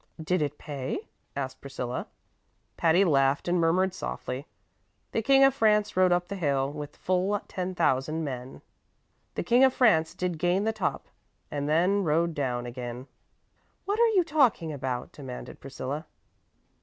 "Did it pay?" asked Priscilla. Patty laughed and murmured softly: "'The King of France rode up the hill with full ten thousand men; The King of France did gain the top, and then rode down again.'" "What are you talking about?" demanded Priscilla.